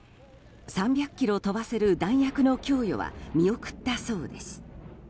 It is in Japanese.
３００ｋｍ飛ばせる弾薬の供与は見送ったそうです。